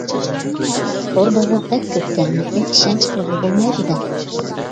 توردىغۇ بەك كۆپكەن لېكىن ئىشەنچ قىلغىلى بولمايدۇ دە!